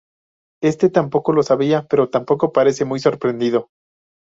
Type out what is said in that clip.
Éste tampoco lo sabía, pero tampoco parece muy sorprendido.